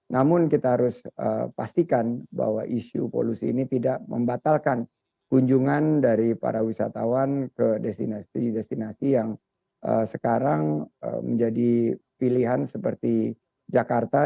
namun kita harus pastikan bahwa isu polusi ini tidak membatalkan kunjungan dari para wisatawan ke destinasi destinasi yang sekarang menjadi pilihan seperti jakarta